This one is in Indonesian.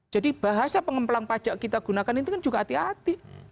jadi bahasa pengemplang pajak kita gunakan itu kan juga hati hati